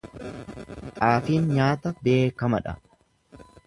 Xaafiin nyaata beekama dha.